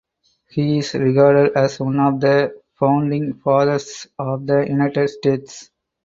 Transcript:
He is regarded as one of the Founding Fathers of the United States.